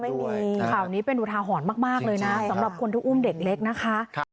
จริงค่ะวันนี้เป็นวุฒาหอนมากเลยนะสำหรับคนที่อุ้มเด็กเล็กนะคะ